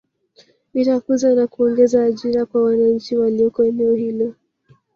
Itakuza na kuongeza ajira kwa wananchi walioko eneo hilo